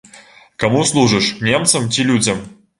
Каму служыш, немцам ці людзям?